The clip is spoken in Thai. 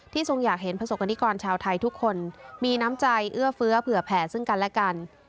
ทรงอยากเห็นประสบกรณิกรชาวไทยทุกคนมีน้ำใจเอื้อเฟื้อเผื่อแผ่ซึ่งกันและกัน